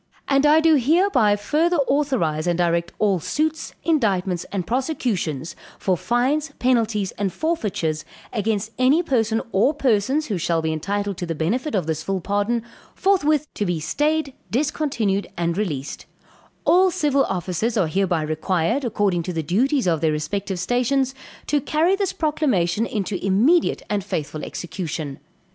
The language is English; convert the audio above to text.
"And I do hereby further authorize and direct all suits, indictments, and prosecutions, for fines, penalties, and forfeitures, against any person or persons, who shall be entitled to the benefit of this full pardon, forthwith to be stayed, discontinued and released: All civil officers are hereby required, according to the duties of their respective stations, to carry this proclamation into immediate and faithful execution.